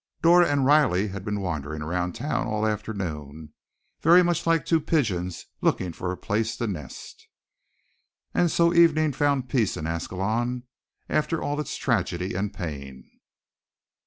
Dora and Riley had been wandering around town all afternoon, very much like two pigeons looking for a place to nest. And so evening found peace in Ascalon, after all its tragedy and pain.